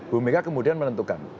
bu mega kemudian menentukan